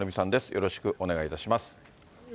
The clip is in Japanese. よろしくお願いします。